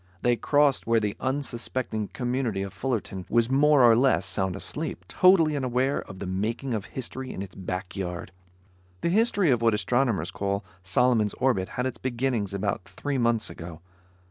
They crossed where the unsuspecting community of Fullerton was more or less sound asleep, totally unaware of the making of history in its back yard. The history of what astronomers call Solomon's Orbit had its beginning about three months ago.